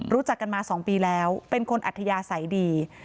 รู้จักกันมา๒ปีแล้วเป็นคนอัธยาศัยดี